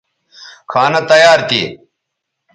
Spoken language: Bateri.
کھانہ تیار تھی